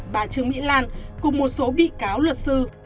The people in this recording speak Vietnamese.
bà trương mỹ lan cùng một số bị cáo luật sư